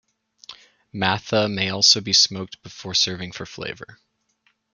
Mattha may also be smoked before serving for flavour.